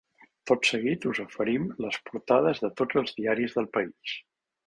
Tot seguit us oferim les portades de tots els diaris del país.